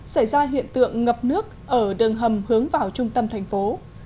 xảy ra hiện tượng ngập nước ở đường hầm hướng vào trung tâm thành phố